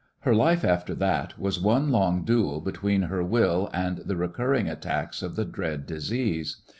Her life after that was one long duel between her will and the recurring attacks of the dread disease.